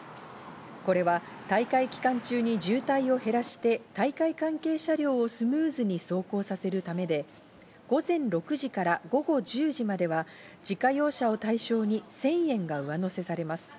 これは大会期間中に渋滞を減らして、大会関係車両をスムーズに走行させるためで、午前６時から午後１０時までは自家用車を対象に１０００円が上乗せされます。